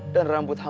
dan rambut saya ini